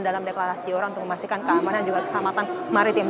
dalam deklarasi iora untuk memastikan keamanan juga keselamatan maritim